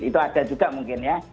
itu ada juga mungkin ya